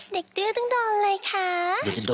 เด็กเดื้อต้องโดนเลยคะ